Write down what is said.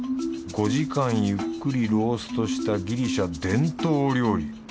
５時間ゆっくりローストしたギリシャ伝統料理。